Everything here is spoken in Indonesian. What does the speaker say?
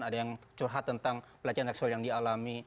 ada yang curhat tentang pelecehan seksual yang dialami